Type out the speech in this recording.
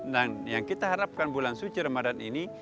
dan yang kita harapkan bulan suci remadhan ini